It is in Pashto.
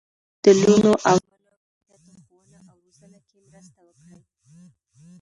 د لوڼو او زامنو په باکیفیته ښوونه او روزنه کې مرسته وکړي.